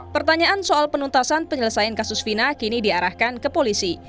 pertanyaan soal penuntasan penyelesaian kasus fina kini diarahkan ke polisi